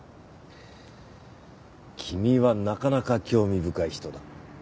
君はなかなか興味深い人だ。